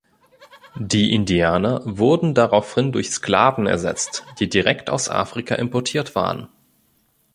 Die Indianer wurden daraufhin durch Sklaven ersetzt, die direkt aus Afrika importiert waren.